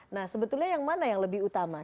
nah sebetulnya yang mana yang lebih utama